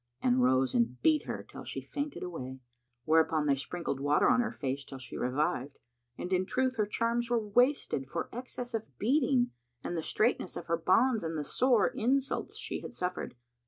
and rose and beat her till she fainted away;[FN#160] whereupon they sprinkled water on her face till she revived; and in truth her charms were wasted for excess of beating and the straitness of her bonds and the sore insults she had suffered.